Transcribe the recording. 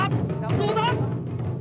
どうだ？